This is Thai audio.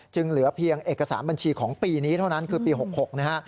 เหลือเพียงเอกสารบัญชีของปีนี้เท่านั้นคือปี๖๖นะฮะ